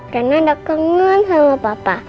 karena udah kangen sama papa